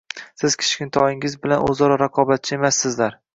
Siz kichkintoyingiz bilan o‘zaro raqobatchi emassizlar.